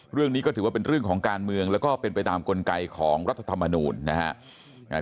เรื่องนี้ก็ถือว่าเป็นเรื่องของการเมืองแล้วก็เป็นไปตามกลไกของรัฐธรรมนูญนะฮะ